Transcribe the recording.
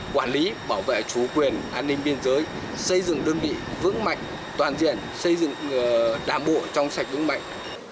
quản lý bảo vệ chủ quyền an ninh biên giới xây dựng đơn vị vững mạnh toàn diện xây dựng đảng bộ trong sạch vững mạnh